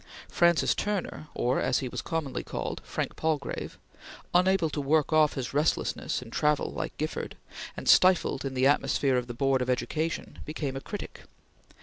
Francis Turner or, as he was commonly called, Frank Palgrave unable to work off his restlessness in travel like Gifford, and stifled in the atmosphere of the Board of Education, became a critic.